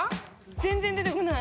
全然出てこない